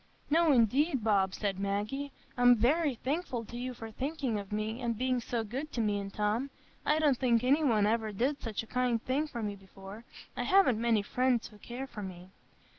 "No, indeed, Bob," said Maggie, "I'm very thankful to you for thinking of me, and being so good to me and Tom. I don't think any one ever did such a kind thing for me before. I haven't many friends who care for me."